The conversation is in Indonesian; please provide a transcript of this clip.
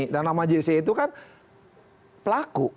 dan nama gc itu kan pelaku